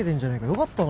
よかったな。